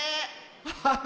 ハッハハ！